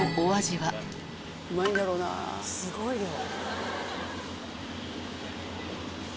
すごい量。